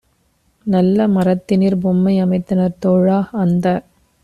நல்ல மரத்தினிற் பொம்மை அமைத்தனர் தோழா - அந்த